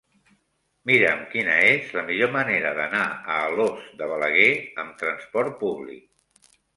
Mira'm quina és la millor manera d'anar a Alòs de Balaguer amb trasport públic.